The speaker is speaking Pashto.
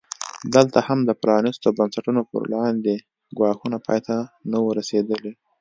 دلته هم د پرانیستو بنسټونو پر وړاندې ګواښونه پای ته نه وو رسېدلي.